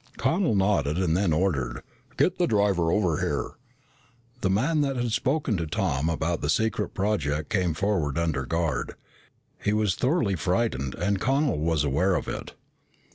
Connel nodded and then ordered, "Get the driver over here." The man that had spoken to Tom about the secret project came forward under guard. He was thoroughly frightened and Connel was aware of it.